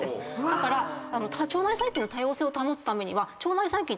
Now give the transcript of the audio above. だから腸内細菌の多様性保つためには腸内細菌